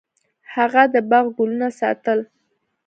هغه د باغ ګلونه ساتل.